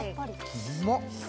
うまっ。